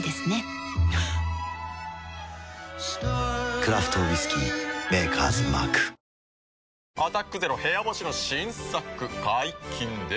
クラフトウイスキー「Ｍａｋｅｒ’ｓＭａｒｋ」「アタックＺＥＲＯ部屋干し」の新作解禁です。